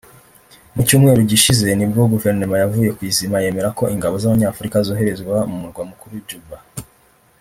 Mu cyumweru gishize nibwo Guverinoma yavuye ku izima yemera ko ingabo z’Abanyafurika zoherezwa mu murwa mukuru Juba